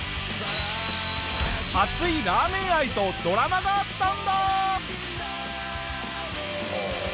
熱いラーメン愛とドラマがあったんだ！